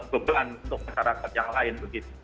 beban untuk masyarakat yang lain begitu